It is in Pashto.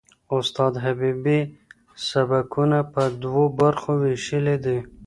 استاد حبیبي سبکونه په دوو برخو وېشلي دي.